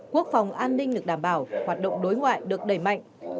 quốc phòng an ninh được đảm bảo hoạt động đối ngoại được đẩy mạnh